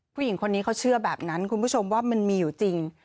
ผู้หญิงคนนี้เขาเชื่อแบบนั้นคุณผู้ชมว่ามันมีอยู่จริง